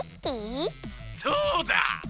そうだ！